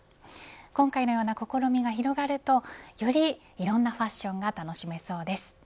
今回のような試みが広がるとより、いろんなファッションが楽しめそうです。